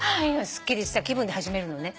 すっきりした気分で始めるのね。